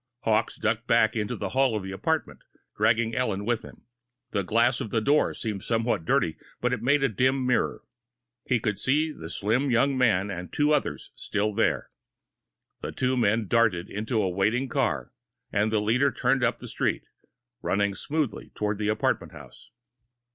Hawkes ducked back into the hall of the apartment, dragging Ellen with him. The glass of the door was somewhat dirty, but it made a dim mirror. He could see the slim young man and two others still there. The two men darted into a waiting car, and the leader turned up the street, running smoothly toward the apartment house.